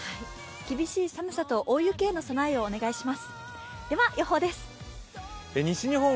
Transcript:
厳しい寒さと大雪への備えをお願いします。